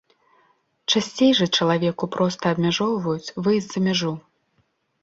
Часцей жа чалавеку проста абмяжоўваюць выезд за мяжу.